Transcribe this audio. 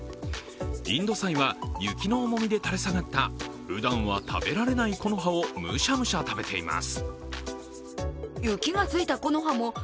インドサイは、雪の重みで垂れ下がったふだんは食べられない木の葉をむちゃむしゃ食べています。